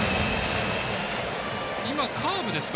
今、カーブですか？